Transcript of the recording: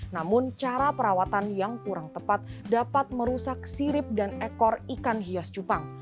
namun cara perawatan yang kurang tepat dapat merusak sirip dan ekor ikan hias cupang